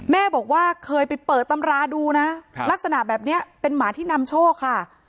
แม่บอกว่าเคยไปเปิดตำราดูนะลักษณะแบบนี้เป็นหมาที่นำโชคค่ะ